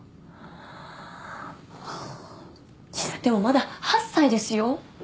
でもまだ８歳ですよ？